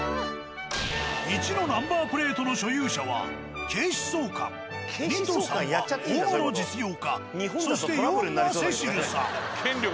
１のナンバープレートの所有者は警視総監２と３は大物実業家そして４がセシルさん。